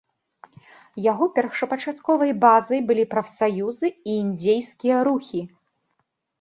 Яго першапачатковай базай былі прафсаюзы і індзейскія рухі.